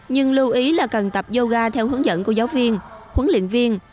nhưng lưu ý là cần tập yoga theo hướng dẫn của giáo viên huấn luyện viên